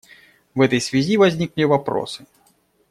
В этой связи возникли вопросы.